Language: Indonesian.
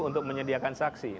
untuk menyediakan saksi